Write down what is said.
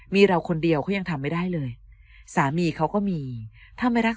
มีเราคนเดียวเขายังทำไม่ได้เลยสามีเขาก็มีถ้าไม่รัก